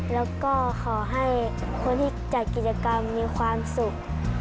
แล้วก็ขอให้คนที่จัดกิจกรรมมีความสุข